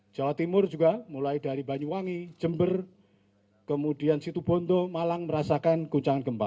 jawa timur juga mulai dari banyuwangi jember kemudian situbondo malang merasakan guncangan gempa